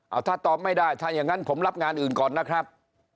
เอาถ้าตอบไม่ได้ถ้าอย่างนั้นผมรับงานอื่นก่อนนะครับ